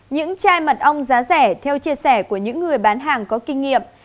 những chai mật ong giá rẻ theo chia sẻ của những người bán hàng có kinh nghiệm